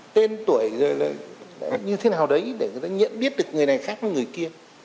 tên tuổi như thế nào đấy để người ta nhận biết được người này khác với người kia